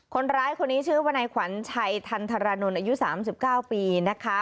คนร้ายคนนี้ชื่อวัญญาขวัญชัยทันทรนลนอายุสามสิบเก้าปีนะคะ